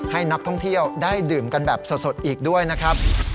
ให้นักท่องเที่ยวได้ดื่มกันแบบสดอีกด้วยนะครับ